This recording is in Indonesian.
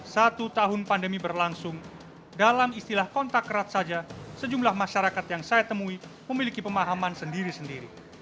satu tahun pandemi berlangsung dalam istilah kontak erat saja sejumlah masyarakat yang saya temui memiliki pemahaman sendiri sendiri